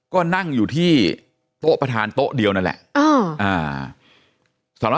ก็นั่งอยู่ที่โต๊ะประธานโต๊ะเดียวนั่นแหละ